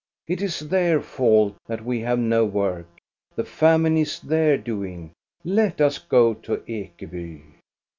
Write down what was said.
It is their fault that we have no work. The famine is their doing. Let us go to Ekeby!"